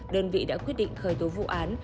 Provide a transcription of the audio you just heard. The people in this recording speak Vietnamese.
đơn vị đã quyết định khởi tố vụ án